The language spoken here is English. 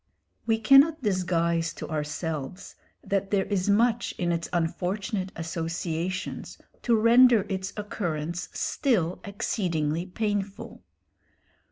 We cannot disguise to ourselves that there is much in its unfortunate associations to render its occurrence still exceedingly painful.